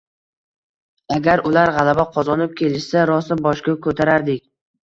Agar ular gʻalaba qozonib kelishsa rossa boshga koʻtarardik.